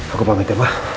aku pamit ya pak